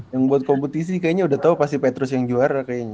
yang buat kompetisi kayaknya udah tau pasti petrus yang juara kayaknya